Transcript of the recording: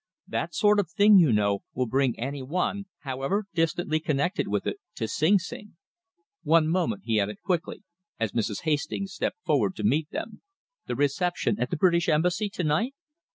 That sort of thing, you know, would bring any one, however, distantly connected with it, to Sing Sing.... One moment," he added quickly, as Mrs. Hastings stepped forward to meet them; "the reception at the British Embassy to night?"